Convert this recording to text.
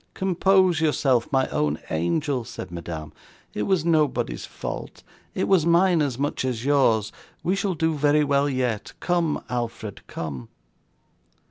'Compose yourself, my own angel,' said Madame. 'It was nobody's fault; it was mine as much as yours, we shall do very well yet. Come, Alfred, come.